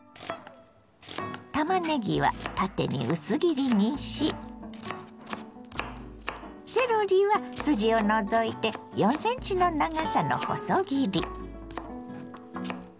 たまねぎは縦に薄切りにしセロリは筋を除いて４ｃｍの長さの細切り。